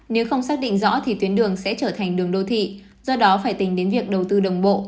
nếu không xác định rõ thì tuyến đường sẽ trở thành đường đô thị do đó phải tính đến việc đầu tư đồng bộ